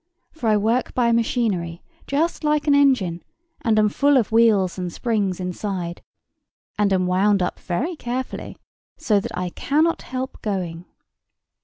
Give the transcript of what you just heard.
For I work by machinery, just like an engine; and am full of wheels and springs inside; and am wound up very carefully, so that I cannot help going."